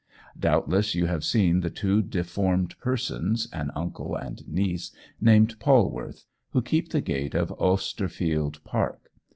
"Doubtless you have seen the two deformed persons, an uncle and niece, named Polwarth, who keep the gate of Osterfield Park.